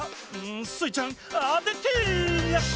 スイちゃんあててニャ！